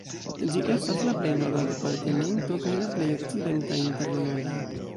Ĝi estas la plej norda departemento kaj la plej okcidenta inter la nordaj.